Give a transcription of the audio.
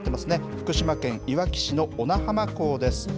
福島県いわき市の小名浜港です。